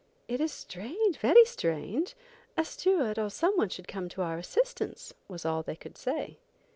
"It is strange, very strange. A steward, or some one should come to our assistance," was all they could say.